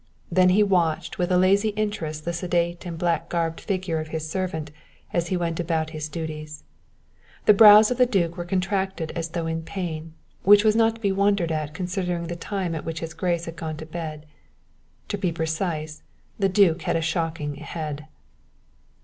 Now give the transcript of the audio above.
Then he watched with a lazy interest the sedate and black garbed figure of his servant as he went about his duties. The brows of the duke were contracted as though in pain, which was not to be wondered at considering the time at which his grace had gone to bed. To be precise, the duke had a shocking head.